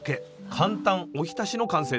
「簡単おひたし」の完成です。